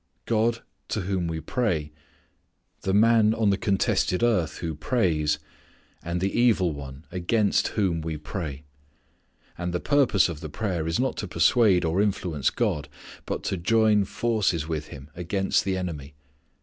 God to whom we pray, the man on the contested earth who prays, and the evil one against whom we pray. And the purpose of the prayer is not to persuade or influence God, but to join forces with Him against the enemy.